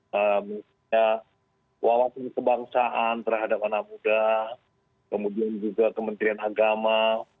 misalnya wawasan kebangsaan terhadap anak muda kemudian juga kementerian agama